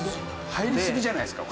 入りすぎじゃないですか？